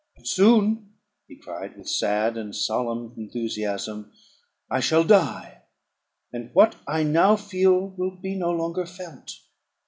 "But soon," he cried, with sad and solemn enthusiasm, "I shall die, and what I now feel be no longer felt.